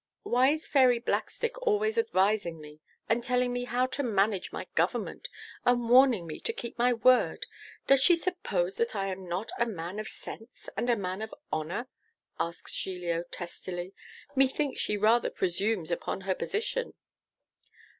'Why is Fairy Blackstick always advising me, and telling me how to manage my government, and warning me to keep my word? Does she suppose that I am not a man of sense, and a man of honour?' asks Giglio testily. 'Methinks she rather presumes upon her position.